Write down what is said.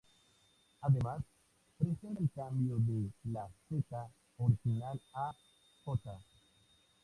Además presenta el cambio de la "z" original a "j".